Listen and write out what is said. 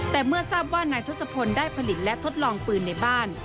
แต่เมื่อทราบว่านายทศพลได้ผลิตและทดลองปืนในบ้าน